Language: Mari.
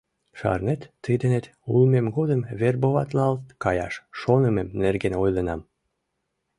Шарнет, тый денет улмем годым вербоватлалт каяш шонымем нерген ойленам?